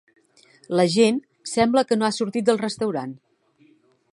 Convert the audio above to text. La gent sembla que no ha sortit del restaurant.